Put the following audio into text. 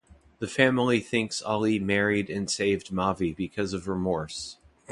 The family thinks Ali married and saved Mavi because of remorse.